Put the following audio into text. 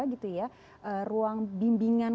gitu ya ruang bimbingan